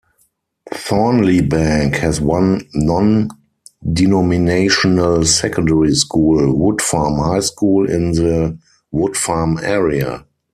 Thornliebank has one non-denominational secondary school, Woodfarm High School in the Woodfarm area.